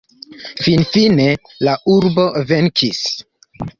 Finfine la urbo venkis.